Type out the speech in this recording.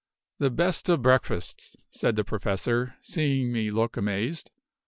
"The best of breakfasts," said the Professor, seeing me look amazed.